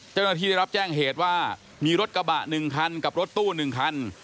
เจ้าหน้าที่ได้รับแจ้งเหตุว่ามีรถกระบะ๑คันกับรถตู้๑คัน